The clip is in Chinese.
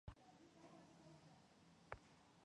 新闻总是大吹特吹